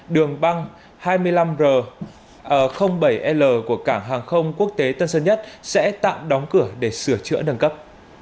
đường băng hai mươi năm r bảy l của cảng hàng không quốc tế tân sơn nhất sẽ tạm đóng cửa để sửa chữa nâng cấp